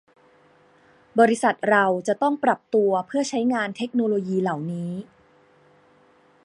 บริษัทเราจะต้องปรับตัวเพื่อใช้งานเทคโนโลยีเหล่านี้